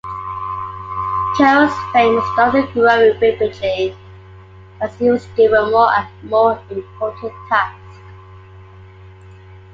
Kerll's fame started growing rapidly as he was given more and more important tasks.